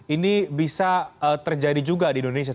ini bisa terjadi juga di indonesia